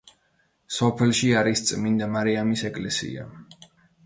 სოფელში არის წმინდა მარიამის ეკლესია.